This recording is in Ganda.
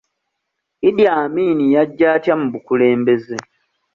Idi Amin yajja atya mu bukulembeze?